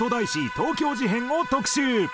東京事変を特集！